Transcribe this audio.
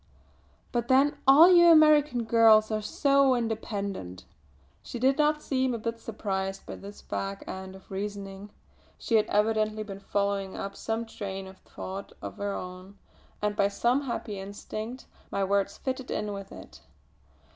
"But then all you American girls are so independent!" She did not seem a bit surprised by this fag end of reasoning; she had evidently been following up some train of thought of her own, and by some happy instinct my words fitted in with it.